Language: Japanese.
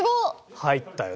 入ったよね